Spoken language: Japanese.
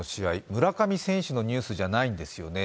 村上選手のニュースじゃないんですよね。